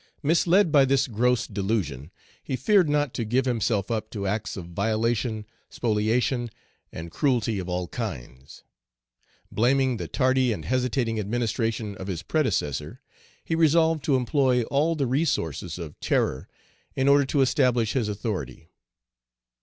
Misled by this gross delusion, he feared not to give himself up to acts of violation, spoliation, and cruelty of all kinds. Blaming the tardy and hesitating administration of his predecessor, he resolved to employ all the resources of terror in order to establish his authority.